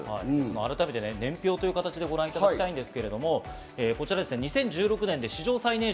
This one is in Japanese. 改めて年表という形でご覧いただきたいと思います。